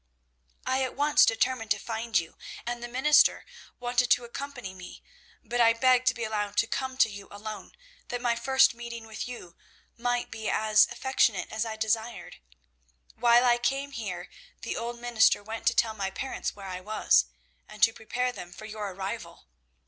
"I at once determined to find you, and the minister wanted to accompany me, but I begged to be allowed to come to you alone, that my first meeting with you might be as affectionate as I desired. While I came here the old minister went to tell my parents where I was, and to prepare them for your arrival.